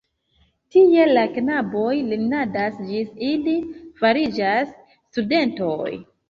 Tie la knaboj lernadas ĝis ili fariĝas studentoj.